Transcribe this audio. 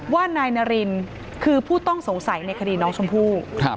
ว่านายนารินคือผู้ต้องสงสัยในคดีน้องชมพู่